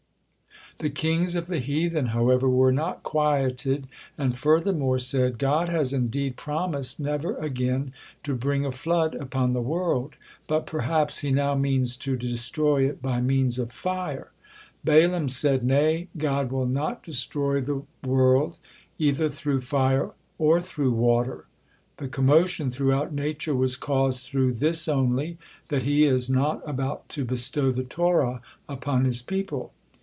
The kings of the heathen, however, were not quieted, and furthermore said: "God has indeed promised never again to bring a flood upon the world, but perhaps He now means to destroy it by means of fire." Balaam said: "Nay, God will not destroy the world either through fire or through water. The commotion throughout nature was caused through this only, that He is not about to bestow the Torah upon His people.